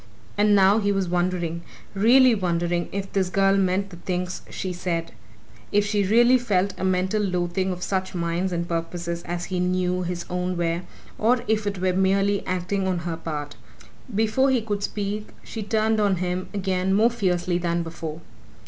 And now he was wondering really wondering if this girl meant the things she said: if she really felt a mental loathing of such minds and purposes as he knew his own were, or if it were merely acting on her part. Before he could speak she turned on him again more fiercely than before.